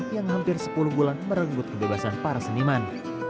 yang hampir sepuluh bulan merenggut kebebasan para seniman